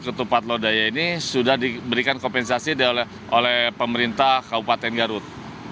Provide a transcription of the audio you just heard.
ketupat lodaya ini sudah diberikan kompensasi oleh pemerintah kabupaten garut